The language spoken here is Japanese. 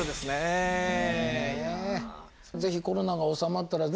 是非コロナが収まったらね